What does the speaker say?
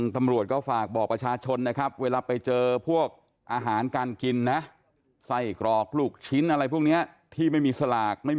แต่ดูอุปกรณ์การทำ